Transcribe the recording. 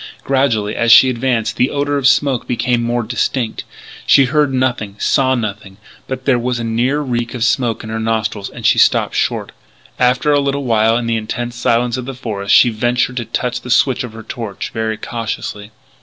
Gradually, as she advanced, the odour of smoke became more distinct. She heard nothing, saw nothing; but there was a near reek of smoke in her nostrils and she stopped short. After a little while in the intense silence of the forest she ventured to touch the switch of her torch, very cautiously.